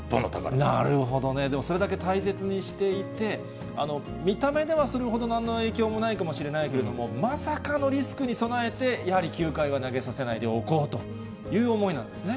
なるほどね、それだけ大切にしていて、見た目ではそれほどなんの影響もないかもしれませんけれども、まさかのリスクに備えて、やはり９回は投げさせないでおこうという思いなんですね。